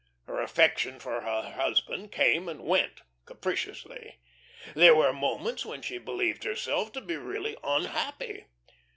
Her affection for her husband came and went capriciously. There were moments when she believed herself to be really unhappy.